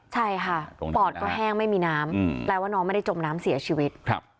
ใช่ค่ะปอดก็แห้งไม่มีน้ำแปลว่าน้องไม่ได้จมน้ำเสียชีวิต